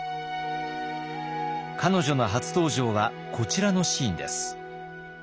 彼女の初登場はこちらのシーンです。